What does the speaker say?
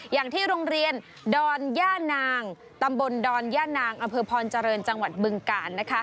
อย่างที่โรงเรียนดอนย่านางตำบลดอนย่านางอำเภอพรเจริญจังหวัดบึงกาล